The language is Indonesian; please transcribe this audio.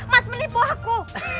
mas menipu aku